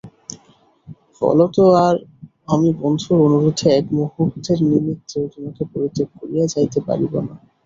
ফলত আর আমি বন্ধুর অনুরোধে এক মুহূর্তের নিমিত্তেও তোমাকে পরিত্যাগ করিয়া যাইতে পারিব না।